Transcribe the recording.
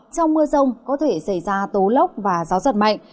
trong mưa rông có thể xảy ra tố lốc và gió giật mạnh